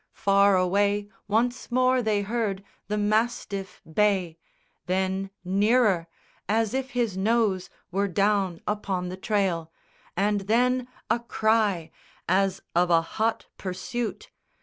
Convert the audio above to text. Far away, once more they heard The mastiff bay; then nearer, as if his nose Were down upon the trail; and then a cry As of a hot pursuit.